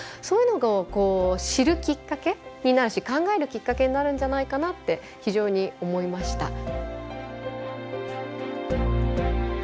そういうのを知るきっかけになるし考えるきっかけになるんじゃないかなって非常に思いました。